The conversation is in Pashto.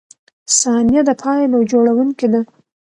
• ثانیه د پایلو جوړونکی ده.